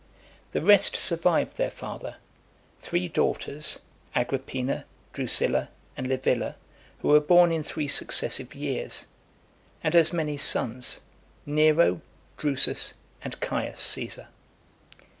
The rest survived their father; three daughters, Agrippina, Drusilla, and Livilla, who were born in three successive years; and as many sons, Nero, Drusus, and Caius Caesar.